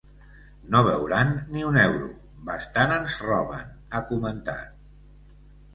No veuran ni un euro, bastant ens roben, ha comentat.